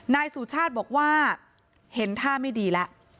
นายสุชาติบอกว่าเห็นท่าไม่ดีแล้ว